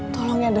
tolong ya dok